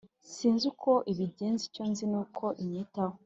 Sinzi uko ibigenza icyonzicyo niko inyitaho